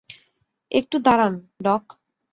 একটু দাঁড়ান, ডক।